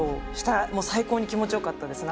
もう最高に気持ちよかったですね